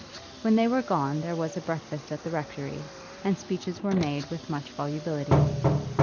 When they were gone there was a breakfast at the rectory, and speeches were made with much volubility.